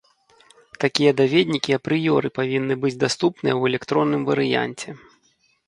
Такія даведнікі апрыёры павінны быць даступныя ў электронным варыянце.